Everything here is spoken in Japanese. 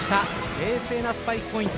冷静なスパイクポイント。